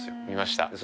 見ました。